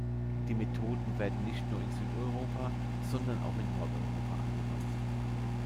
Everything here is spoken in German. Die Methoden werden nicht nur in Südeuropa, sondern auch in Nordeuropa angewandt.